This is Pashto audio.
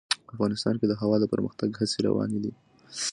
افغانستان کې د هوا د پرمختګ هڅې روانې دي.